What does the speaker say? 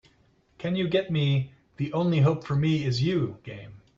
Can you get me The Only Hope for Me Is You game?